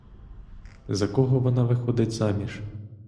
За кого вона виходить заміж?